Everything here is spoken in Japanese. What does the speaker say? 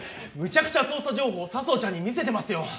むちゃくちゃ捜査情報を佐相ちゃんに見せてますよ！